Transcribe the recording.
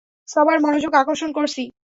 সবার মনোযোগ আকর্ষণ করছি।